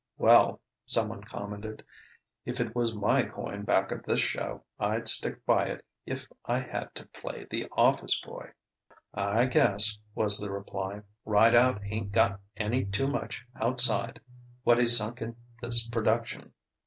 "Well," someone commented, "if it was my coin back of this show, I'd stick by it if I had to play the office boy." "I guess," was the reply, "Rideout ain't got any too much outside what he's sunk in this production.